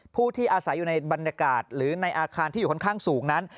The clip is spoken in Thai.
ผู้ที่อาศัยอยู่ในบรรยากาศหรือในอาคารที่อยู่ค่อนข้างสูงนั้น